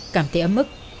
cảm thấy ấm ức